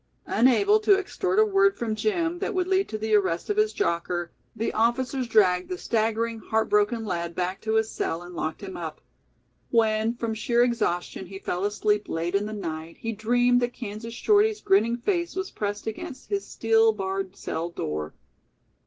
Unable to extort a word from Jim that would lead to the arrest of his jocker, the officers dragged the staggering, heart broken lad back to his cell and locked him up. When from sheer exhaustion he fell asleep late in the night, he dreamed that Kansas Shorty's grinning face was pressed against his steel barred cell door.